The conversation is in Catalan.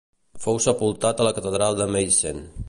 Fou sepultat a la catedral de Meissen.